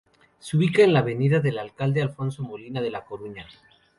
Se ubica en la Avenida del Alcalde Alfonso Molina de La Coruña.